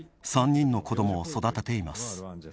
３人の子どもを育てています。